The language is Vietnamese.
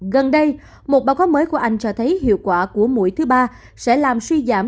gần đây một báo cáo mới của anh cho thấy hiệu quả của mũi thứ ba sẽ làm suy giảm